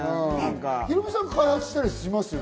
ヒロミさん、開発したりしますよね？